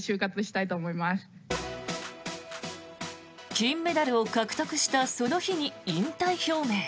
金メダルを獲得したその日に引退表明。